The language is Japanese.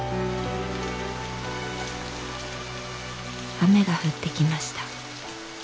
「雨が降ってきました。